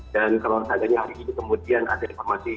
dan kalau rasanya hari ini kemudian ada informasi